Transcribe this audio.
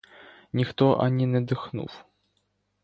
Ніхто ані не дихнув.